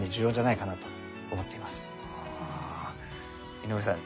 井上さん